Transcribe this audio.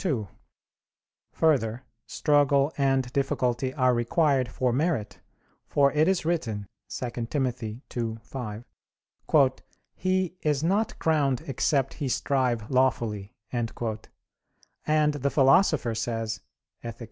2: Further, struggle and difficulty are required for merit; for it is written (2 Tim. 2:5): "He ... is not crowned except he strive lawfully" and the Philosopher says (Ethic.